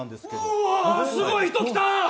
うわーすごい人来た！